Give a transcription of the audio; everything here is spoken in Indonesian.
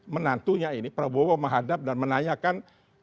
menantunya ini prabowo menghadap dan menanyakan